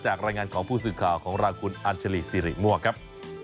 รายงานของผู้สื่อข่าวของเราคุณอัญชลีสิริมั่วครับ